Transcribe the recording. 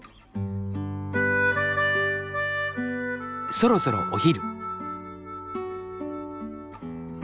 そろそろお昼。